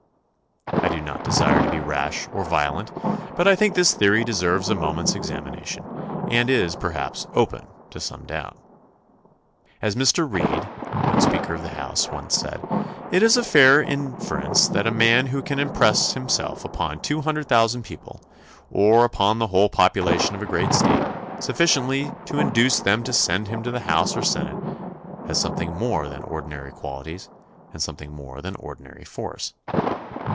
I do not desire to be rash or violent, but I think this theory deserves a moment's examination and is, perhaps, open to some doubt. As Mr. Reed, when Speaker of the House, once said, it is a fair inference that a man who can impress himself upon two hundred thousand people, or upon the whole 64 THE CONSTITUTION AND ITS MAEERS population of a great State, sufficiently to induce them to send him to the House or Senate has something more than ordinary quaUties and some thing more than ordinary force.